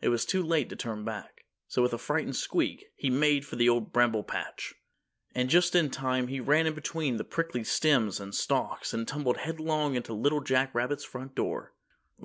It was too late to turn back, so with a frightened squeak, he made for the Old Bramble Patch. And just in time he ran in between the prickly stems and stalks and tumbled headlong into Little Jack Rabbit's front door.